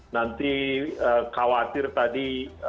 nanti khawatir tadi